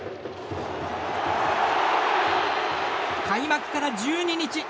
開幕から１２日。